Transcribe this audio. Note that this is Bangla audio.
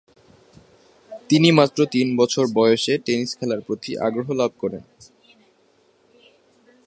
তিনি মাত্র তিন বছর বয়সে টেনিস খেলার প্রতি আগ্রহ লাভ করেন।